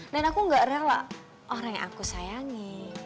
dan aku gak rela orang yang aku sayangi